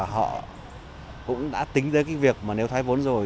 họ cũng đã tính tới việc nếu thoái vốn rồi